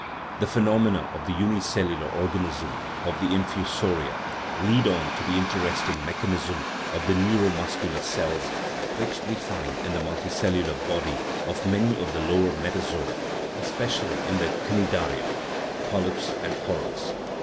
These phenomena of the unicellular organism of the infusoria lead on to the interesting mechanism of the neuro muscular cells, which we find in the multi cellular body of many of the lower metazoa, especially in the cnidaria (polyps and corals)